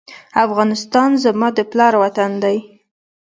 افغانستان زما د پلار وطن دی